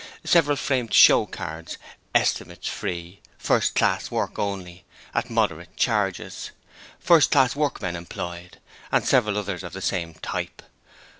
Several framed show cards 'Estimates Free', 'First class work only, at moderate charges', 'Only First Class Workmen Employed' and several others of the same type.